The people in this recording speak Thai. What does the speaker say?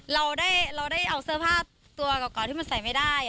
เราได้เอาเสื้อผ้าตัวเก่าที่มันใส่ไม่ได้